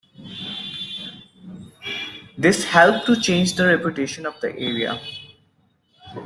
This helped to change the reputation of the area.